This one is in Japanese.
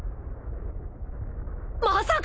まさか！？